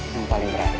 yang paling berharga